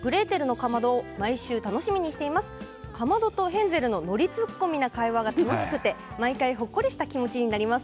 かまどとヘンゼルののり突っ込みな会話が楽しくて毎回ほっこりした気持ちになります。